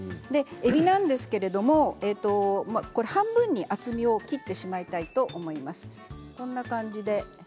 えびなんですが半分に厚みを切ってしまいたいと思います。